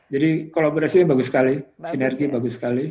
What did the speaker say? jadi kolaborasi bagus sekali sinergi bagus sekali